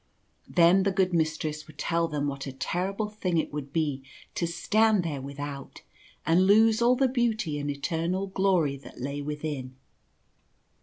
Then the good Mistress would tell them what a ter rible thing it would be to stand there without, and lose all the beauty and eternal glory that lay within.